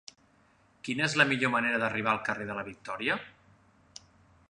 Quina és la millor manera d'arribar al carrer de la Victòria?